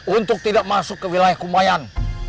untuk tidak masuk ke wilayah kumayan